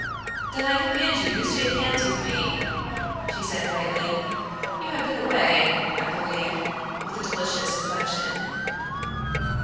"Then I command you to shake hands with me," she said brightly. "You have been away, I believe?" with a delicious inflection.